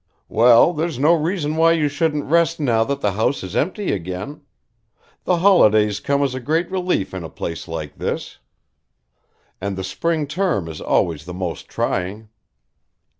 "Well, there's no reason why you shouldn't rest now that the house is empty again. The holidays come as a great relief in a place like this. And the Spring Term is always the most trying."